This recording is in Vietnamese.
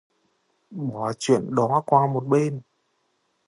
Bỏ chuyện đó qua một bên